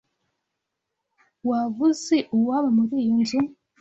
Waba uzi uwaba muri iyo nzu?